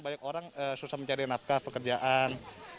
banyak orang susah mencari nafkah pekerjaan